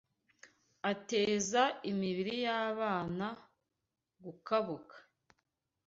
Ateza Imibiri y’Abana Gukabuka